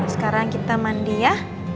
sekarang kita mandi ya